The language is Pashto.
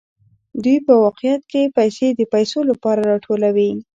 دوی په واقعیت کې پیسې د پیسو لپاره راټولوي